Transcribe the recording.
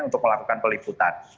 untuk melakukan peliputan